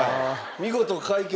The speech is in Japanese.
見事解決。